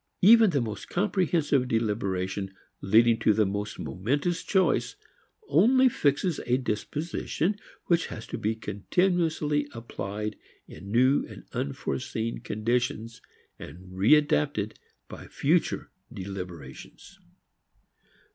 Even the most comprehensive deliberation leading to the most momentous choice only fixes a disposition which has to be continuously applied in new and unforeseen conditions, re adapted by future deliberations.